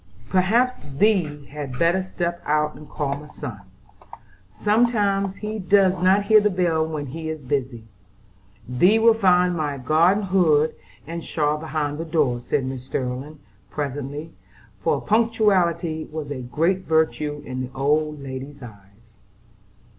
"Perhaps thee had better step out and call my son. Sometimes he does not hear the bell when he is busy. Thee will find my garden hood and shawl behind the door," said Mrs. Sterling, presently; for punctuality was a great virtue in the old lady's eyes.